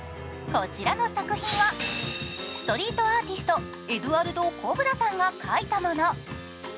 こちらの作品はストリートアーティスト、エドゥアルド・コブラさんが描いたもの。